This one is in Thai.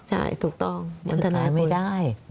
ใช่ถูกต้องบรรทนาภูมิ